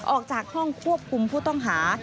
ออกจากห้องควบคุมผู้ต้องหา